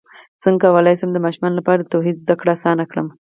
څنګه کولی شم د ماشومانو لپاره د توحید زدکړه اسانه کړم